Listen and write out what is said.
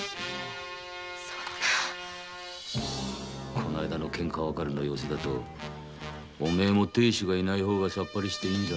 この間のケンカ別れの様子だとお前も亭主がいない方がサッパリしていいんじゃねえのか。